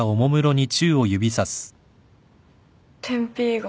点Ｐが。